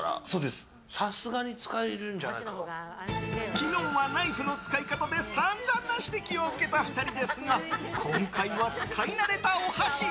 昨日はナイフの使い方で散々な指摘を受けた２人ですが今回は使い慣れたお箸。